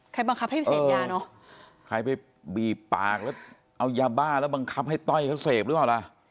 บังคับให้เสพยาเนอะใครไปบีบปากแล้วเอายาบ้าแล้วบังคับให้ต้อยเขาเสพหรือเปล่าล่ะ